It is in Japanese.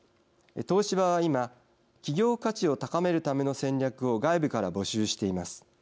東芝は今企業価値を高めるための戦略を外部から募集しています。